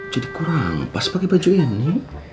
jadi kurang pas pakai baju ini